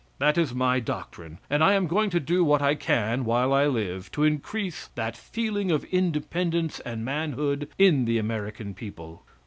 That is my doctrine, and I am going to do what I can while I live to increase that feeling of independence and manhood in the American people.